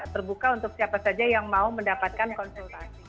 terbuka untuk siapa saja yang mau mendapatkan konsultasi